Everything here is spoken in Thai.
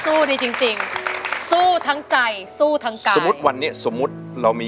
สู้ดีจริงจริงสู้ทั้งใจสู้ทั้งกายสมมุติวันนี้สมมุติเรามี